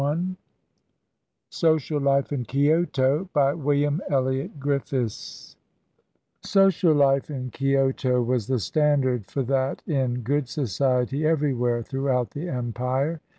] SOCIAL LIFE IN KIOTO BY WILLIAM ELLIOT GRIFFIS Social life in Kioto was the standard for that in good society everywhere throughout the empire.